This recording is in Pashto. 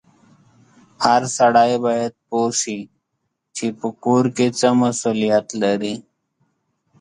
هر سړی باید پوه سي چې په کور کې څه مسولیت لري